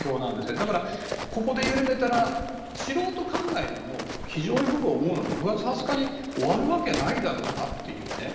だから、ここで緩めたら素人考えでも非常に僕は思うのは６月２０日に終わるわけないだろうなというね。